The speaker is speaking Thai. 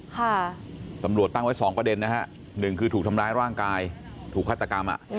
ค่ะตำรวจตั้งไว้สองประเด็นนะฮะหนึ่งคือถูกทำร้ายร่างกายถูกฆาตกรรมอ่ะ